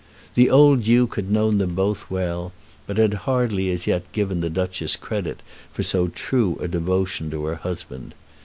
The old Duke had known them both well, but had hardly as yet given the Duchess credit for so true a devotion to her husband.